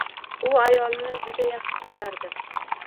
U ayolini juda yaxshi ko‘rardi.